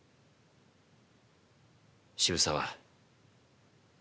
渋沢